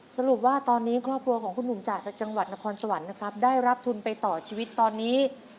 สรุปว่าตอนนี้ครอบครัวของคุณหนุ่มจากจังหวัดนครสวรรค์นะครับได้รับทุนไปต่อชีวิตตอนนี้